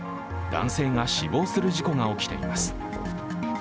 男性が死亡する事故が起きています。